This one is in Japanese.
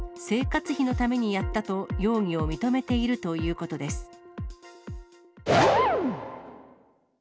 生活費のためにやったと容疑を認めているということです。